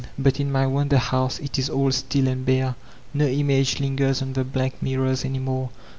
But in my wonder hotise it is all still and bue; no image lingers on the blank mirrors any more.